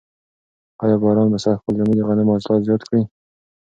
آیا باران به سږکال زموږ د غنمو حاصلات زیات کړي؟